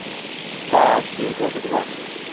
چاک گوێی بۆ بگرە